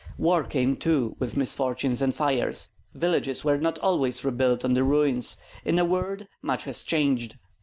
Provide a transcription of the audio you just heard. Wars came too with misfortunes and fires, villages were not always rebuilt on the ruins; in a word, much has changed.